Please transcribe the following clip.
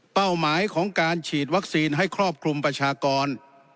หมายของการฉีดวัคซีนให้ครอบคลุมประชากร